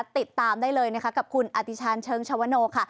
ติดตามได้เลยกับคุณอาติชานเชิงชาวโวโน่ค่ะ